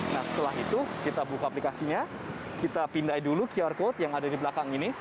nah setelah itu kita buka aplikasinya kita pindah dulu qr code yang ada di belakang ini